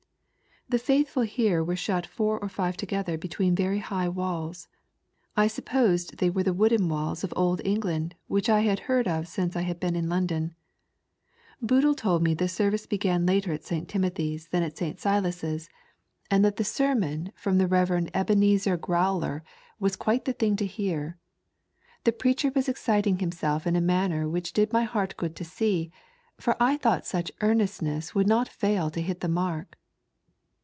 '' The faithful here were shut four or five together between very high walls, I supposed they were the wooden walls of Old England which I had heard of since I had been in London. Boodle told me the service began later at St. Timothy's than at St. Silas's, and that the sermon from the Rev. Ebenezer Growler was qnite the thing to hear. Th« preacher was esciting himself in a manner which did mj heart good to see, for I thought such earnestness could not fail to hit the mark.